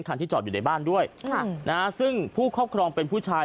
คันที่จอดอยู่ในบ้านด้วยซึ่งผู้ครอบครองเป็นผู้ชาย